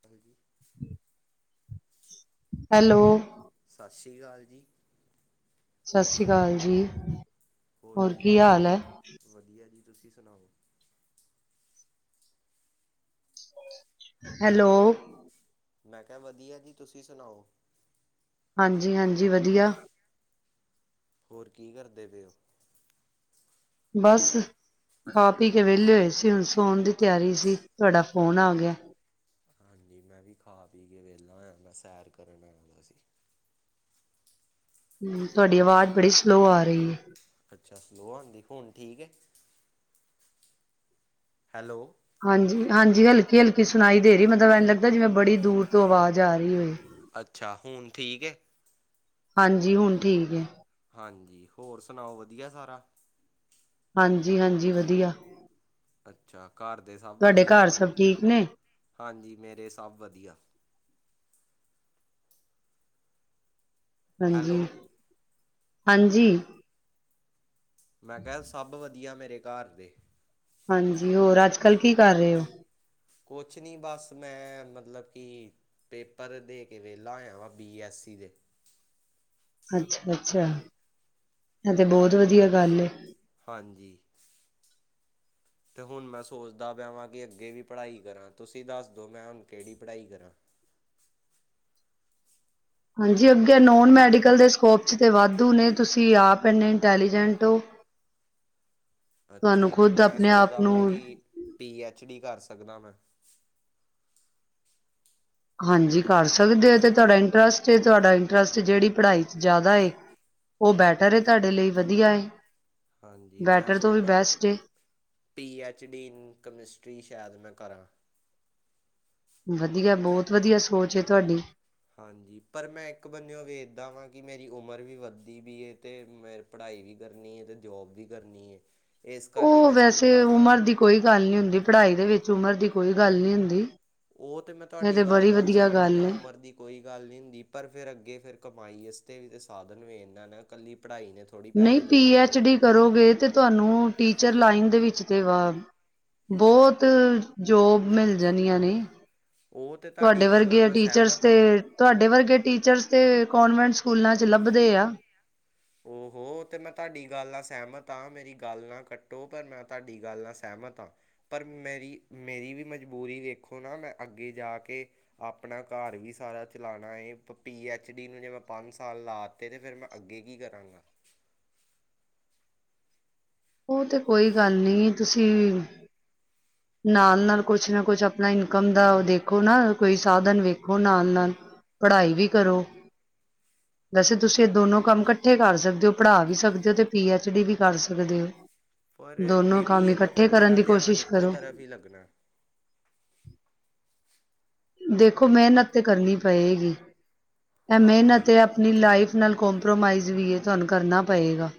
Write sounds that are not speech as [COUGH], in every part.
ਭ [UNINTELLIGIBLE] ਹੈਲੋ, ਸਤਿ ਸ਼੍ਰੀ ਅਕਾਲ ਜੀ, ਸਤਿ ਸ੍ਰੀ ਅਕਾਲ ਜੀ, ਹੋਰ ਕੀ ਕਰਦੇ ਜੇ? ਵਧੀਆ ਜੀ, ਤੁਸੀਂ ਸੁਣਾਓ? ਹੈਲੋ, ਮੈਂ ਕਿਹਾ ਵਧੀਆ ਜੀ, ਤੁਸੀਂ ਸੁਣਾਓ? ਹਾਂਜੀ-ਹਾਂਜੀ ਵਧੀਆ, ਹੋਰ ਕੀ ਕਰਦੇ ਪਏ ਔ, ਬਸ ਖਾ ਪੀ ਕੇ ਵਿਹਲੇ ਹੋਏ ਸੀ ਹੁਣ ਸੋਣ ਦੀ ਤਿਆਰੀ ਸੀ ਤੁਹਾਡਾ ਫੋਨ ਆ ਗਿਆ। ਹਾਂਜੀ ਮੈਂ ਵੀ ਖਾ ਪੀ ਕੇ ਵੇਲਾ ਹੋਇਆ ਮੈਂ ਸੈਰ ਕਰਨ ਆਇਆ ਸੀ। ਹੂੰ, ਤੁਹਾਡੀ ਆਵਾਜ਼ ਬੜੀ ਸਲੋਅ ਆ ਰਹੀ ਹੈ। ਅੱਛਾ ਸਲੋਅ ਆਦੀ ਹੁਨ ਠੀਕ ਐ, ਹੈਲੋ, ਹਾਂਜੀ-ਹਾਂਜੀ, ਹਲਕੀ ਹਲਕੀ ਸੁਣਾਈ ਦੇ ਰਹੀ ਮਤਲਬ ਐਨ ਲੱਗਦਾ ਜਿਵੇਂ ਬੜੀ ਦੂਰ ਤੋਂ ਆਵਾਜ਼, ਆ ਰਹੀ ਹੋਏ ਅੱਛਾ ਹੁਣ, ਠੀਕ ਹੈ, ਹਾਂਜੀ ਹੁਣ ਠੀਕ ਹੈ, ਹਾਂਜੀ ਹੋਰ ਸੁਣਾਓ? ਵਧੀਆ ਸਾਰਾ? ਹਾਂਜੀ-ਹਾਂਜੀ ਵਧੀਆ, ਅੱਛਾ, ਘਰ ਦੇ ਸਭ ਤੁਹਾਡੇ ਵਧੀਆ ਘਰ ਸਭ ਠੀਕ ਨੇ ਹਾਂਜੀ ਮੇਰੇ ਸਭ ਵਧੀਆ, ਹਾਂਜੀ, ਹੈਲੋ ਹਾਂਜੀ ਮੈਂ ਕਿਹਾ ਸਭ ਵਧੀਆ [UNINTELLIGIBLE] ਹਾਂਜੀ ਹੋਰ ਅੱਜ ਕੱਲ੍ਹ ਕੀ ਕਰ ਰਹੇ ਹੋ ਕੁਛ ਨੀ ਬਸ ਮੈਂ ਮਤਲਬ ਕਿ ਪੇਪਰ ਦੇ ਕੇ ਵੇਲਾ ਹੋਯਾ ਵਾ ਬੀ ਐੱਸਸੀ ਦੇ ਅੱਛਾ ਅੱਛਾ ਇਹ ਤੇ ਬਹੁਤ ਵਧੀਆ ਗੱਲ ਏ ਹਾਂਜੀ ਤੇ ਹੁਣ ਮੈਂ ਸੋਚਦਾ ਪਿਆ ਵਾਂ ਕਿ ਅੱਗੇ ਵੀ ਪੜ੍ਹਾਈ ਕਰਾਂ ਤੁਸੀਂ ਦੱਸ ਦੋ ਮੈਂ ਹੁਣ ਕਿਹੜੀ ਪੜ੍ਹਾਈ ਕਰਾਂ ਹਾਂਜੀ ਅੱਗੇ ਨੋਨ ਮੈਡੀਕਲ ਦੇ ਸਕੋਪ 'ਚ ਤਾਂ ਵਾਧੂ ਨੇ ਤੁਸੀਂ ਆਪ ਇਨੇ ਇੰਟੈਲੀਜੈਂਟ ਹੋ ਤੁਹਾਨੂੰ ਖੁਦ ਆਪਣੇ ਆਪ ਨੂੰ [INAUDIBLE] [INAUDIBLE] ਹਾਂਜੀ ਕਰ ਸਕਦੇ ਹੋ ਤੇ ਤੁਹਾਡਾ ਇੰਟਰਸਟ ਏ ਤੁਹਾਡਾ ਇੰਟਰਸਟ ਜਿਹੜੀ ਪੜ੍ਹਾਈ ਚ ਜ਼ਿਆਦਾ ਉਹ ਬੈਟਰ ਏ ਤੁਹਾਡੇ ਲਈ ਵਧੀਆ ਹਾਂਜੀ ਮੈਂ ਬੈਟਰ ਤੋਂ ਵੀ ਸੋਚਦਾ ਬੈਸਟ ਏ। ਪੀ ਐਚ ਡੀ ਕਮਿਸਟਰੀ ਸ਼ਾਇਦ ਮੈਂ ਕਰਾਂ ਵਧੀਆ ਬਹੁਤ ਵਧੀਆ ਸੋਚ ਏ ਤੁਹਾਡੀ ਹਾਂਜੀ ਪਰ ਮੈਂ ਇੱਕ ਬੰਨਓ ਵੇਖਦਾ ਵਾਂ ਕਿ ਮੇਰੀ ਉਮਰ ਵੀ ਵੱਦੀ ਵੀ ਤੇ ਮੈਂ ਪੜ੍ਹਾਈ ਵੀ ਕਰਨੀ ਹੈ ਤੇ ਜੋਬ ਵੀ ਕਰਨੀ ਏ ਉਹ ਵੈਸੇ ਉਮਰ ਦੀ ਕੋਈ ਗੱਲ ਨੀ ਹੁੰਦੀ ਪੜ੍ਹਾਈ ਦੇ ਵਿੱਚ ਚ ਉਮਰ ਦੀ ਕੋਈ ਗੱਲ ਨਹੀਂ ਹੁੰਦੀ ਉਹ ਤੇ ਮੈਂ ਇਹ ਤੁਹਾਡੀ ਤੇ ਗੱਲ ਬੜੀ ਨਾਲ ਵਧੀਆ ਗੱਲ ਸਹਿਮਤ ਹਾਂ ਏ। ਉਮਰ ਦੀ ਕੋਈ ਗੱਲ ਨਹੀਂ ਹੁੰਦੀ ਪਰ ਫਿਰ ਅੱਗੇ ਫਿਰ ਕਮਾਈ ਇਸ ਤੇ ਵੀ [INAUDIBLE] ਥੋੜ੍ਹੀ ਨਹੀਂ ਪੈਸੇ ਪੀ ਦੇਈ ਐਚ ਜਾਣੇ ਆ ਡੀ ਕਰੋਗੇ ਤੇ ਤੁਹਾਨੂੰ ਟੀ ਟੀਚਰ ਲਾਈਨ ਦੇ ਵਿੱਚ ਤੇ ਵਾ ਬਹੁਤ ਜੋਬ ਮਿਲ ਜਾਂਦੀਆਂ ਨੇ ਉਹ ਤੇ ਤੁਹਾਡੀ ਤੁਹਾਡੇ ਗੱਲ ਨਾਲ ਵਰਗੇ ਮੈਂ ਟੀਚਰਸ ਸਹਿਮਤ ਤੇ ਹਾਂ ਤੁਹਾਡੇ ਵਰਗੇ ਟੀਚਰਸ ਤੇ ਕਾਨਵੇਂਟ ਸਕੂਲਾਂ ਚ ਲੱਭਦੇ ਆ ਉਹਹੋ ਤੇ ਮੈਂ ਤੁਹਾਡੀ ਗੱਲ ਨਾਲ ਸਹਿਮਤ ਹਾਂ ਮੇਰੀ ਗੱਲ ਨਾ ਕੱਟੋ ਪਰ ਮੈਂ ਤੁਹਾਡੀ ਗੱਲ ਨਾਲ ਸਹਿਮਤ ਹਾਂ ਪਰ ਮੇਰੀ ਮੇਰੀ ਵੀ ਮਜਬੂਰੀ ਵੇਖੋ ਨਾ ਮੈਂ ਅੱਗੇ ਜਾ ਕੇ ਆਪਣਾ ਘਰ ਵੀ ਸਾਰਾ ਚਲਾਣਾ ਏ ਪੀ ਐਚ ਡੀ ਨੂੰ ਜੇ ਮੈਂ ਪੰਜ ਸਾਲ ਲਾਤੇ ਤੇ ਫੇਰ ਮੈਂ ਅੱਗੇ ਕੀ ਕਰਨਾ [INAUDIBLE] ਉਹ ਤੇ ਕੋਈ ਗੱਲ ਨਹੀ ਤੁਸੀਂ ਨਾਲ ਨਾਲ ਕੁਛ ਨਾ ਕੁਛ ਆਪਣਾ ਇਨਕਮ ਦਾ ਦੇਖੋ ਨਾ ਕੋਈ ਸਾਧਨ ਵੇਖੋ ਨਾਲ ਨਾਲ ਪੜ੍ਹਾਈ ਵੀ ਕਰੋ ਵੈਸੇ ਤੁਸੀਂ ਇਹ ਦੋਨੋ ਕੰਮ ਇਕੱਠੇ ਕਰ ਸਕਦੇ ਹੋ ਪੜ੍ਹਾ ਵੀ ਸਕਦੇ ਹੋ ਤੇ ਪੀ ਐਚ ਡੀ ਵੀ ਕਰ ਸਕਦੇ ਹੋ ਪਰ ਦੋਨੋ ਇਹ ਵੀ ਕੰਮ ਹੈ ਨਾ ਇਕੱਠੇ ਫੇਰ ਕਰਨ ਮੇਰਾ ਦੀ ਧਿਆਨ ਕੋਸ਼ਿਸ਼ ਇੱਕੋ ਕਰੋ ਤਰਫ [INAUDIBLE] ਦੇਖੋ ਮਿਹਨਤ ਤੇ ਕਰਨੀ ਪਏਗੀ ਐ ਹਾਂਜੀ ਮਿਹਨਤ ਏ ਆਪਣੀ ਲਾਈਫ ਨਾਲ ਕਪ੍ਰੋਮਾਈਜ਼ ਵੀ ਏ ਤੁਵਾਨ ਕਰਨਾ ਪਏਗਾ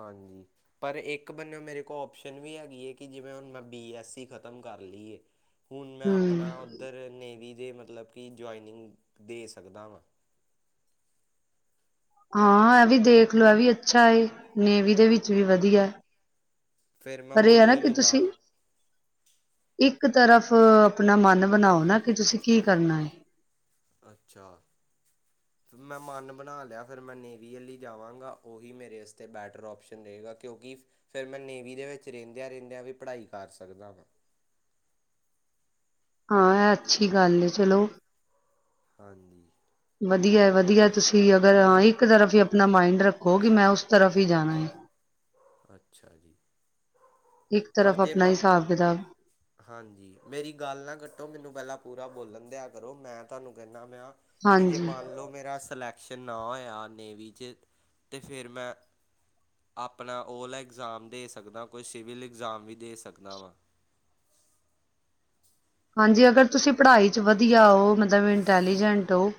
ਹਾਂਜੀ ਪਰ ਇੱਕ ਬਨਿਓ ਮੇਰੇ ਕੋਲ ਓਪਸ਼ਨ ਵੀ ਹੈਗੀ ਏ ਕਿ ਜਿਵੇਂ ਹੁਣ ਮੈਂ ਬੀ ਐੱਸਸੀ ਖ਼ਤਮ ਕਰ ਲਈਏ ਹੁਣ ਮੈਂ ਹੂੰ, ਅਪਣਾ ਓਦਰ ਨੇਵੀ ਜੇ ਮਤਲਬ ਕਿ ਜੋਈਨਿੰਗ ਦੇ ਸਕਦਾ ਵਾਂ ਹਾਂ ਇਹ ਵੀ ਦੇਖ ਲਓ ਇਹ ਵੀ ਅੱਛਾ ਹੈ ਨੇਵੀ ਦੇ ਵਿੱਚ ਵੀ ਵਧੀਆ ਐ ਫੇਰ ਮੈਂ ਹੋੌਲੀ ਹੌਲੀ ਨਾਲ ਇੱਕ ਤਰਫ ਆਪਣਾ ਮਨ ਬਣਾਓ ਨਾ ਕਿ ਤੁਸੀਂ ਕੀ ਕਰਨਾ ਹੈ ਮੈਂ ਮਨ ਬਣਾ ਲਿਆ ਫਿਰ ਮੈਂ ਨੇਵੀ ਹੀ ਜਾਵਾਂਗਾ ਉਹੀ ਮੇਰੇਤੇ ਬੈਟਰ ਓਪਸ਼ਨ ਰਹੇਗਾ ਕਿਉਂਕਿ ਫਿਰ ਮੈਂ ਨੇਵੀ ਦੇ ਵਿੱਚ ਰਹਿੰਦਿਆਂ ਰਹਿੰਦਿਆਂ ਵੀ ਪੜ੍ਹਾਈ ਕਰ ਸਕਦਾ ਵਾਂ ਹਾਂ ਇਹ ਅੱਛੀ ਗੱਲ ਹੈ ਚਲੋ ਹਾਂਜੀ ਵਧੀਆ ਵਧੀਆ ਤੁਸੀਂ ਅਗਰ ਹਾਂ ਇੱਕ ਤਰਫ ਹੀ ਆਪਣਾ ਮਾਇੰਡ ਰੱਖੋ ਕਿ ਮੈਂ ਉਸ ਤਰਫ ਹੀ ਜਾਣਾ ਐ ਅੱਛਾ ਇੱਕ ਪਰ ਤਰਫ ਜੇ ਆਪਣਾ ਮ ਹਿਸਾਬ ਕਿਤਾਬ ਹਾਂਜੀ ਮੇਰੀ ਗੱਲ ਨਾ ਕੱਟੋ ਮੈਨੂੰ ਪਹਿਲਾਂ ਪੂਰਾ ਬੋਲਣ ਦਿਆ ਕਰੋ ਮੈਂ ਤੁਹਾਨੂੰ ਕਹਿੰਨਾ ਨਾ ਕੀ ਜੇ ਹਾਂਜੀ। ਮੰਨਲੋ ਮੇਰਾ ਸਲੈਕ ਸ਼ਨ ਨਾ ਹੋਇਆ ਨੇਵੀ ' ਤੇ ਫਿਰ ਮੈਂ ਆਪਣਾ ਉਹਲਾ ਐਗਜ਼ਾਮ ਦੇ ਸਕਦਾ ਹ ਕੋਈ ਸਿਵਲ ਐਗਜ਼ਾਮ ਵੀ ਦੇ ਸਕਦਾ ਵਾ ਹਾਂਜੀ ਅਗਰ ਤੁਸੀਂ ਪੜ੍ਹਾਈ 'ਚ ਵਧੀਆ ਹੋ ਮਤਲਬ ਇੰਟੈਲੀਜੈਂਟ ਹੋ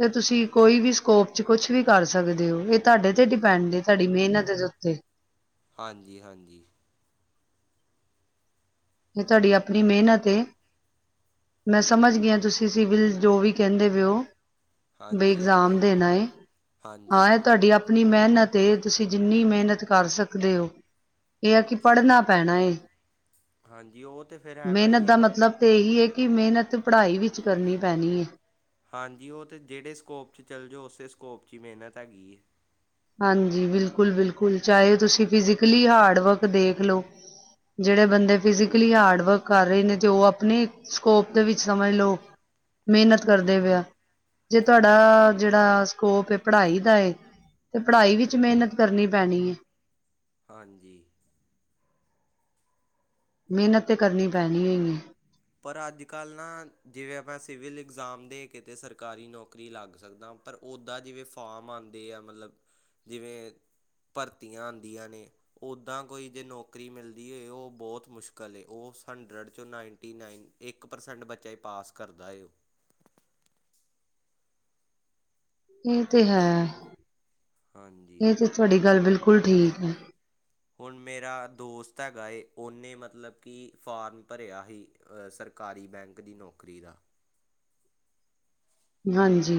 ਤਾਂ ਤੁਸੀਂ ਕੋਈ ਵੀ ਸਕੋਪ 'ਚ ਕੁਛ ਵੀ ਕਰ ਸਕਦੇ ਹੋ ਇਹ ਤੁਹਾਡੇ ਤੇਤ ਡਿਪੈਂਡ ਏ ਤੁਹਾਡੀ ਮਿਹਨਤ ਦੇ ਉੱਤੇ ਹਾਂਜੀ ਹਾਂਜੀ ਇਹ ਤੁਹਾਡੀ ਆਪਣੀ ਮਿਹਨਤ ਏ ਮੈਂ ਸਮਝ ਗੀਆ ਤੁਸੀਂ ਸਿਵਲ ਜੋ ਵੀ ਕਹਿੰਦੇ ਪੇ ਹੋ ਬਈ ਹਾਂਜੀ ਇਗਜ਼ਾਮ ਹਾਂਜੀ ਦੇਣਾ ਏ ਹਾਂ ਹਾਂਜੀ ਇਹ ਤੁਹਾਡੀ ਅਪ ਪਣੀ ਮਿਹਨਤ ਏ ਤੁਸੀਂ ਜਿੰਨੀ ਮਿਹਨਤ ਕਰ ਸਕਦੇ ਹੋ ਇਹ ਆ ਕਿ ਪੜ੍ਹਨਾ ਪੈਣਾ ਏ ਹਾਂਜੀ ਉਹ ਤੇ ਫੇਰ ਹੈਗਾ ਮਿਹਨਤ ਹੀ ਦਾ ਹੈ ਮਤਲਬ ਤੇ ਇਹੀ ਹੈ ਕਿ ਮਿਹਨਤ ਪੜ੍ਹਾਈ ਵਿੱਚ ਕਰਨੀ ਪੈਣੀ ਹੈ ਹਾਂਜੀ ਉਹ ਤੇ ਜਿਹੜੇ ਸਕੋਪ ' ਚੱਲ ਜਾਓ ਉਸੇ ਸਕੋਪ ' ਹੀ ਮਿਹਨਤ ਹੈਗੀ ਏ ਹਾਂਜੀ ਬਿਲਕੁਲ ਬਿਲਕੁਲ ਚਾਹੇ ਤੁਸੀਂ ਫਿਜ਼ਕਲੀ ਹਾਰਡ ਵਰਕ ਦੇਖਲੋ ਜਿਹੜੇ ਬੰਦੇ ਫਿਜ਼ਕਲੀ ਹਾਰਡ ਵਰਕ ਕਰ ਰਹੇ ਨੇ ਤੇ ਉਹ ਆਪਣੇ ਸਕੋਪ ਦੇ ਵਿੱਚ ਸਮਝ ਲਓ ਮਿਹਨਤ ਕਰਦੇ ਪਿਆ ਜੇ ਤੁਹਾਡਾ ਜਿਹੜਾ ਸਕੋਪ ਹੈ ਪੜ੍ਹਾਈ ਦਾ ਏ ਤੇ ਪੜ੍ਹਾਈ ਵਿੱਚ ਮਿਹਨਤ ਕਰਨੀ ਪੈਣੀ ਹੈ। ਹਾਂਜੀ। ਮਿਹਨਤ ਤੇ ਕਰਨੀ ਪੈਣੀਓ ਈ ਹੈ। ਪਰ ਅੱਜ ਕਲ ਨਾ ਜਿਵਾਂ ਐਸੀ ਆਪਾਂ ਸਿਵਿਲ ਈ ਇਗਜ਼ਾਮ ਦੇ ਕੇਤੇ ਸਰਕਾਰੀ ਨੌਕਰੀ ਲੱਗ ਸਕਦਾ ਪਰ ਓਦਾਂ ਜਿਵੇਂ ਫਾਮ ਆਉਂਦੇ ਆ ਮਤਲਬ ਜਿਵੇਂ ਭਰਤੀਆਂ ਆਉਂਦੀਆਂ ਨੇ ਓਦਾਂ ਕੋਈ ਜੇ ਨੌਕਰੀ ਮਿਲਦੀ ਹੋਏ ਉਹ ਬਹੁਤ ਮੁਸ਼ਕਲ ਏ ਉਹ ਹੰਡਰਡ ਚੋਂ ਨਾਈਨ ਟੀ ਨਾਈਨ ਇੱਕ ਪ੍ਰਸੈਂਟ ਬੱਚਾ ਹੀ ਪਾਸ ਕਰਦਾ ਏ ਇਹ ਤੇ ਹੈ। ਹਾਂਜੀ ਇਹ ਤੇ ਤੁਹਾਡੀ ਗੱਲ ਬਿਲ ਕੁਲ ਠੀਕ ਹੈ। ਹੁਣ ਮੇਰਾ ਦੋਸਤ ਹੈਗਾ ਏ। ਉਹਨੇ ਮਤਲਬ ਕਿ ਫਾਰਮ ਭਰਿਆ ਸਰਕਾਰੀ ਬੈਂਕ ਦੀ ਨੌਕਰੀ ਦਾ। ਹਾਂਜੀ।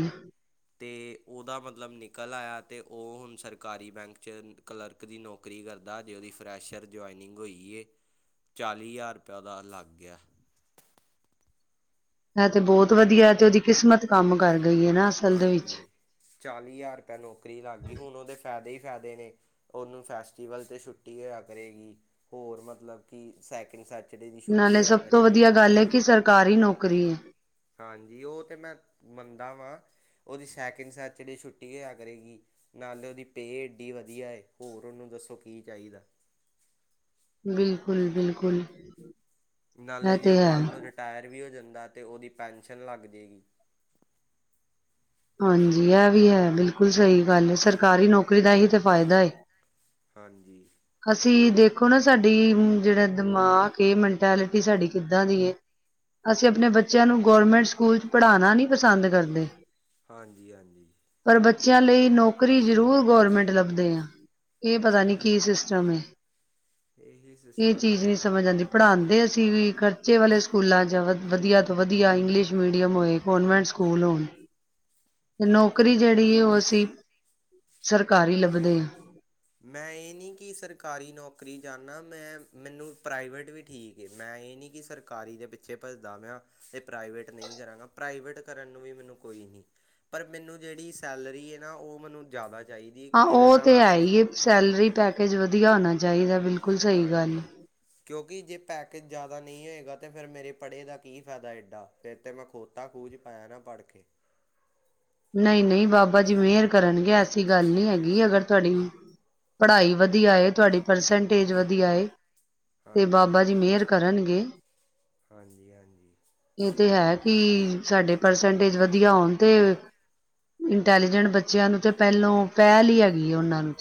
ਤੇ ਉਹਦਾ ਮਤਲਬ ਨਿਕਲ ਆਇਆ ਤੇ ਉਹ ਹੁਣ ਸਰਕਾਰੀ ਬੈਂਕ 'ਚ ਕਲਰਕ ਦੀ ਨੌਕਰੀ ਕਰਦਾ ਆ ਉਹਦੀ ਫਰੈਸ਼ਰ ਜੁਆਇਨਿੰਗ ਹੋਏ ਚਾਲੀ ਹਜ਼ਾਰ ਰੁਪਇਆ ਉਹਦਾ ਲਗ ਗਿਆ ਐ ਤੇ ਬਹੁਤ ਵਧੀਆ ਇਹ ਤੇ ਉਹਦੀ ਕਿਸਮਤ ਕੰਮ ਕਰ ਗਈ ਹੈ ਨਾ ਅਸਲ ਦੇ ਵਿੱਚ ਹਾਂਜੀ ਚਾਲੀ ਹਜ਼ਾਰ ਰੁਪਇਆ ਨੌਕਰੀ ਲੱਗ ਗਈ ਹੁਣ ਉਹਦੇ ਫ਼ਾਇਦੇ ਹੀ ਫੈਦੇ ਨੇ ਉਹਨੂੰ ਫੈਸਟੀਵਲ ਤੇ ਛੁੱਟੀ ਹੋਇਆ ਕਰੇਗੀ ਹੋਰ ਮਤਲਬ ਕਿ ਸੈਕਿੰਡ ਸੈ ਨਾਲੇ ਸਭ ਤੋਂ ਵਧੀਆ ਗੱਲ ਹੈ, ਕਿ ਸਰਕਾਰੀ ਨੌਕਰੀ ਹੈ। ਹਾਂਜੀ ਉਹ ਤਾਂ ਮੈਂ ਮੰਨਦਾ ਵਾਂ ਉਹਦੀ ਸੈਕਿੰਡ ਸ਼ੈਚਰ ਡੇ ਦੀ ਛੁੱਟੀ ਹੋਇਆ ਕਰੇਗੀ ਨਾਲੇ ਉਹਦੀ ਪੇਅ ਐੱਡੀ ਵਧੀਆ ਹੈ ਹੋਰ ਉਹਨੂੰ ਦੱਸੋ ਕੀ ਚਾਹੀਦਾ। ਬਿਲਕੁਲ ਬਿਲਕੁਲ। ਇਹ ਨਾਲੇ ਜੇ ਤੇ ਉਹ ਹੈ ਕੱਲ ਨੂੰ ਰਿਟਾਇਰ ਵੀ ਹੋ ਜਾਂਦਾ ਤਾਂ ਤੇ ਉਹਦੀ ਪੈਨਸ਼ਨ ਲੱਗ ਜਾਵੇਗੀ। ਹਾਂਜੀ, ਇਹ ਵੀ ਹੈ ਬਿਲਕੁਲ ਸਹੀ ਗੱਲ ਹੈ। ਸਰਕਾਰੀ ਨੌਕਰੀ ਦਾ ਹੀ ਤਾਂ ਫਾਇਦਾ ਇਹ। ਹਾਂਜੀ। ਦੇਖੋ ਨਾ ਸਾਡੀ ਜਿਹੜਾ ਦਿਮਾਗ, ਮੈਂਟੈਲਿਟੀ ਸਾਡੀ ਕਿੱਦਾਂ ਦੀ ਹੈ। ਅਸੀਂ ਆਪਣੇ ਬੱਚਿਆਂ ਨੂੰ ਗੌਰਮੈਂਟ ਸਕੂਲ ਚ ਪੜਾਉਣਾ ਨੀ ਪਸੰਦ ਕਰਦੇ। ਹਾਂਜੀ-ਹਾਂਜੀ। ਪਰ ਬੱਚਿਆਂ ਲਈ ਨੌਕਰੀ ਜ਼ਰੂਰ ਗੌਰਮੈਂਟ ਲੱਭਦੇ ਆ। ਇਹ ਪਤਾ ਨੀ ਕੀ ਸਿਸਟਮ ਹੈ। ਇਹੀ ਇਹ ਸਿਸਟਮ ਚੀਜ਼ ਨਹੀ ਬਣਿਆ ਦਾ ਸਮਝ ਅੱਜ ਆਉਂਦੀ, ਕੱਲ੍ਹ। ਪੜਾਉਂਦੇ ਅਸੀਂ ਵੀ ਖ਼ਰਚੇ ਵਾਲੇ ਸਕੂਲਾਂ ਚ ਵ। ਵਧੀਆ ਤੋਂ ਵਧੀਆ ਇੰਗਲਿਸ਼ ਮੀਡੀਅਮ ਹੋਏ, ਕਾਨਵੈਂਟ ਸਕੂਲ ਹੋਣ। ਤੇ, ਨੌਕਰੀ ਜਿਹੜੀ ਹੈ ਉਹ, ਅਸੀਂ ਸਰਕਾਰੀ ਲੱਭਦੇ ਹਾਂ। ਮੈਂ, ਇਹ ਨਹੀਂ ਕਿ ਸਰਕਾਰੀ ਨੌਕਰੀ ਚਾੰਨਾ ਮੈਂ ਮੈਨੂੰ ਪ੍ਰਾਈਵੇਟ ਵੀ ਠੀਕ ਏ। ਮੈਂ ਇਹ ਨਹੀਂ ਕਿ ਸਰਕਾਰੀ ਦੇ ਪਿੱਛੇ ਭੱਜਦਾ ਪਿਆ ਹਾਂ। ਤੇ ਪ੍ਰਾਈਵੇਟ ਨਹੀਂ ਕਰਾਂਗਾ ਪ੍ਰਾਈਵੇਟ ਕਰਨ ਨੂੰ ਵੀ ਮੈਨੂੰ ਕੋਈ ਨਹੀਂ ਪਰ ਮੈਨੂੰ ਜਿਹੜੀ ਸੈਲਰੀ ਹੈ ਨਾ, ਉਹ ਮੈਨੂੰ ਜ਼ਿਆਦਾ। ਚਾਹੀਦੀ ਹੈ ਕਿ, ਹਾਂ ਜਿਹਦੇ ਉਹ ਨ ਮੈਂ ਤੇ ਹੈ ਆਪਣੇ ਹੀ ਏ ਸੈਲਰੀ ਪੈਕੇਜ ਵਧੀਆ ਹੋਣਾ ਚਾਹੀਦਾ ਬਿਲ ਕੁਲ ਸਹੀ ਗੱਲ। ਹਾਂਜੀ ਕਿਉਂਕਿ ਜੇ ਪੈਕੇਜ ਜ਼ਿਆਦਾ ਨਹੀਂ ਹੋਏਗਾ ਤੇ, ਫੇਿਰ ਮੇਰੇ ਪੜੇ ਦਾ ਕੀ ਫਾਇਦਾ ਏਡਾ, ਫਿਰ ਤੇ ਮੈਂ ਖੋਤਾ ਖੂਜ ਪਾਇਆ ਨਾ ਪੜ ਕੇ। ਨਹੀਂ- ਨਹੀਂ ਬਾਬਾ ਜੀ ਮਿਹਰ ਕਰਨਗੇ, ਐਸੀ ਗੱਲ ਨਹੀਂ ਹੈਗੀ। ਅਗਰ ਤੁਹਾਡੀ ਪੜਾਈ ਵਧੀਆਏ, ਤੁਹਾਡੀ ਪਰਸੈਂਟੇਜ ਵਧਆਏ ਤੇ ਹਾਂਜੀ ਬਾਬਾ ਜੀ ਮਿਹਰ ਕਰਨਗੇ। ਹਾਂਜੀ- ਹਾਂਜੀ। ਕੀ, ਸਾਡੇ ਪਰਸੈਂਟੇਜ ਵਧੀਆ ਹੋਣ ਤੇ- ਇੰਟੈਲੀਜੈਂਟ ਬੱਚਿਆਂ ਨੂੰ ਤੇ ਪਹਿਲੋਂ ਪਹਿਲ ਹੀ ਹੈਗੀ ਆ ਉਹਨਾਂ ਨੂੰ।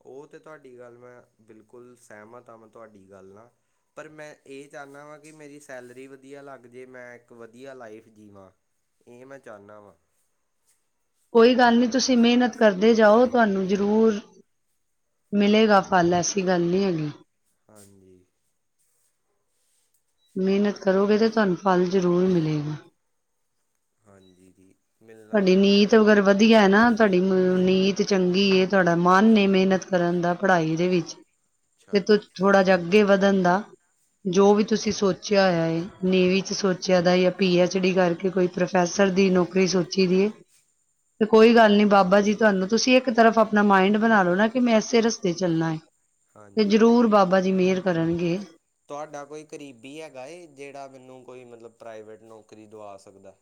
ਉਹ ਤੇ ਤੁਹਾਡੀ ਗੱਲ ਮੈਂ ਬਿਲਕੁਲ ਸਹਿਮਤ ਆਂ। ਮੈਂ ਤੁਹਾਡੀ ਗੱਲ ਨਾਲ, ਪਰ ਮੈਂ ਇਹ ਚਾਹੁੰਦਾ ਵਾਂ ਕਿ ਮੇਰੀ ਸੈਲਰੀ ਵਧੀਆ ਲੱਗ ਜੇ, ਮੈਂ ਇੱਕ ਵਧੀਆ ਲਾਈਫ ਜੀਵਾਂ, ਇਹ ਮੈਂ ਚਾਹੁੰਦਾ ਵਾਂ। ਕੋਈ ਗੱਲ ਨਹੀਂ ਤੁਸੀਂ ਮਿਹਨਤ ਕਰਦੇ ਜਾਓ, ਤੁਹਾਨੂੰ ਜ਼ਰੂਰ ਮਿਲੇਗਾ ਫਲ ਐਸੀ ਗੱਲ ਨਹੀਂ ਹੈਗੀ। ਹਾਂਜੀ। ਮਿਹਨਤ ਕਰੋਗੇ ਤੇ ਤੁਹਾਨੂੰ ਫਲ ਜ਼ਰੂਰ ਮਿਲੇਗਾ। ਹਾਂਜੀ, ਜੀ। ਮਿਲਣਾ ਤੁਹਾਡੀ ਚਾਹੀਦਾ ਨੀਤ ਅਗਰ ਫਲ ਮੈਂ ਵਧੀਆ ਹੈ ਨਾ, ਤੁਹਾਡੀ ਨੀਤ- ਚੰਗੀ ਹੇ ਤੁਹਾਡਾ ਮਨ ਐ ਮਿਹਨਤ ਕਰਨ ਦਾ ਪੜਾਈ ਦੇ ਵਿੱਚ। ਅੱਛਾ ਫਿਰ ਜੀ ਤੁਸ ਥੋੜਾ [UNINTELLIGIBLE] ਜਗ ਅੱਗੇ ਵਧਣ ਦਾ ਜੋ ਵੀ ਤੁਸੀਂ ਸੋਚਿਆ ਹੋਆ ਹੈ। ਨੇਵੀ ਚ ਸੋਚਿਆ ਦਾ ਜਾਂ ਪੀ ਐਚ ਡੀ ਕਰਕੇ ਕੋਈ ਪ੍ਰੋਫੈਸਰ ਦੀ ਨੌਕਰੀ ਸੋਚ- ਜੀ [UNINTELLIGIBLE] ਤੇ ਕੋਈ ਗੱਲ ਨੀ ਬਾਬਾ ਜੀ ਤੁਹਾਨੂੰ ਤੁਸੀਂ ਇੱਕ ਤਰਫ ਆਪਣਾ ਮਾਇੰਡ ਬਣਾ ਲਓ ਨਾ ਕਿ ਮੈਂ ਇਸੇ ਰਸਤੇ ਚੱਲਣਾ ਹੈ ਤੇ ਹਾਂਜੀ ਜ਼ਰੂਰ ਬਾਬਾ ਜੀ ਮਿਹਰ- ਕਰਨਗੇ। ਤੁਹਾਡਾ ਕੋਈ ਕਰੀਬੀ ਹੈਗਾ ਹੇ ਜਿਹੜਾ ਮੈਨੂੰ ਕੋਈ ਮਤਲਬ ਪ੍ਰਾਈਵੇਟ ਨੌਕਰੀ ਦਵਾ ਸਕਦਾ।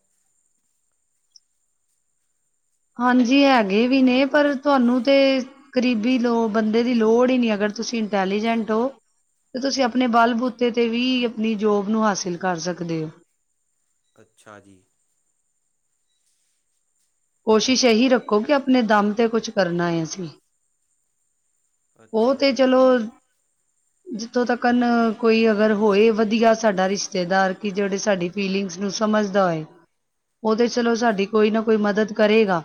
ਹਾਂਜੀ, ਹੈਗੇ ਵੀ ਨੇ ਪਰ, ਤੁਹਾਨੂੰ ਤੇ ਕਰੀਬੀ ਦੋ ਬੰਦੇ ਦੀ ਲੋੜ ਹੀ ਨਹੀਂ ਅਗਰ ਤੁਸੀਂ ਇੰਟੈਲੀਜੈਂਟ ਹੋ, ਤਾਂ ਤੁਸੀਂ ਆਪਣੇ ਬਲ ਬੂਤੇ ਤੇ ਵੀ ਆਪਣੀ ਜੋਬ ਨੂੰ ਹਾਸਿਲ ਕਰ ਸਕਦੇ ਹੋ। ਅੱਛਾ ਜੀ। ਕੋਸ਼ਿਸ਼ ਇਹੀ ਰੱਖੋ ਕਿ ਆਪਣੇ ਦਮ ਤੇ ਕੁਝ ਕਰਨਾ ਹੈ ਅਸੀਂ। ਉਹ ਅੱਛਾ ਤੇ ਜੀ, ਚਲੋ- ਜਿੱਥੋਂ ਤੱਕ ਨ ਕੋਈ ਅਗਰ ਹੋਏ ਵਧੀਆ ਸਾਡਾ ਰਿਸ਼ਤੇਦਾਰ, ਕਿ ਜਿਹੜੇ ਸਾਡੀ ਫੀਲਿੰਗਸ ਨੂੰ ਸਮਝਦਾ ਹੋਏ, ਉਹ ਤੇ ਚਲੋ ਸਾਡੀ ਕੋਈ ਨਾ ਕੋਈ ਮਦਦ ਕਰੇਗਾ।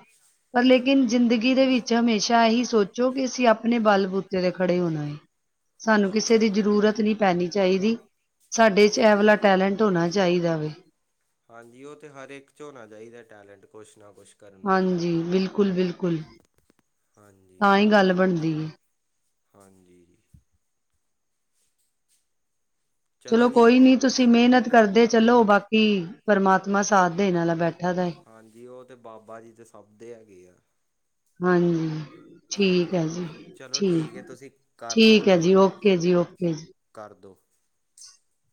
ਪਰ ਲੇਕਿਨ ਜ਼ਿੰਦਗੀ ਦੇ ਵਿੱਚ ਹਮੇਸ਼ਾ ਇਹੀ ਸੋਚੋ ਕਿ ਅਸੀਂ ਆਪਣੇ ਬਲ- ਬੂਤੇ ਤੇ ਖੜੇ ਹੋਣਾ ਏ। ਸਾਨੂੰ ਕਿਸੇ ਅੱਛਾ ਦੀ ਜੀ। ਜ਼ਰੂਰਤ ਨਹੀਂ ਪੈਂਣੀ ਚਾਹੀਦੀ। ਸਾਡੇ ਚ ਐ ਵਾਲਾ ਟੈਲੈਂਟ ਹੋਣਾ ਚਾਹੀਦਾ ਵੇ ਹਾਂਜੀ ਉਹ ਤੇ ਹਰੇਕ ਚ ਹੋਣਾ ਚਾਹੀਦਾ ਟੈਲੈਂਟ ਕੁੱਛ ਨਾ ਕੁੱਛ ਕਰਨ ਦਾ। ਹਾਂਜੀ ਬਿਲਕੁਲ -ਬਿਲਕੁਲ। ਹਾਂਜੀ, ਤਾਂ ਹੀ ਗੱਲ ਬਣਦੀ ਏ। ਹਾਂਜੀ, ਜੀ। ਚਲੋ ਜੀ ਕੋਈ ਨੀ ਤੁਸੀਂ ਓਕੇ, ਮਿਹਨਤ ਕਰਦੇ ਚਲੋ ਬਾਕੀ ਪਰਮਾਤਮਾ ਸਾਥ ਦੇਣ ਆਲਾ ਬੈਠਾ। ਦਾ ਹੈ ਹਾਂਜੀ ਉਹ ਤੇ ਬਾਬਾ ਜੀ ਦੇ ਸਭ ਦੇ ਹੈਗੇ ਆ। ਹਾਂਜੀ, ਠੀਕ ਹਾਂਜੀ, ਹੈ ਜੀ ਚਲੋ ਠੀਕ ਹੈ ਤੁਸੀਂ ਕਰ ਦੋ ਠੀਕ ਹੈ ਹੁਣ, ਜੀ, ਓਕੇ ਜੀ, ਓਕੇ ਜੀ। [UNINTELLIGIBLE]